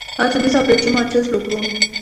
Ar trebui să apreciem acest lucru.